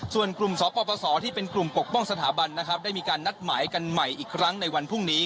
ส่วนกลุ่มสปสที่เป็นกลุ่มปกป้องสถาบันนะครับได้มีการนัดหมายกันใหม่อีกครั้งในวันพรุ่งนี้